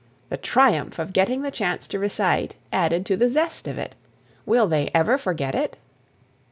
The triumph of getting the chance to recite added to the zest of it. Will they ever forget it?